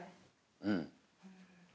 うん。